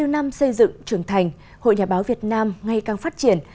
bảy mươi bốn năm xây dựng trưởng thành hội nhà báo việt nam ngay càng phát triển